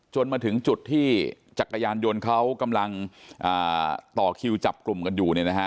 มาถึงจุดที่จักรยานยนต์เขากำลังต่อคิวจับกลุ่มกันอยู่